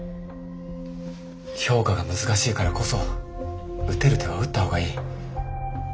評価が難しいからこそ打てる手は打った方がいい。